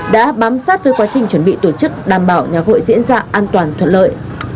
đã bám sát với quá trình chuẩn bị tổ chức đảm bảo nhà hội diễn ra an toàn thuận lợi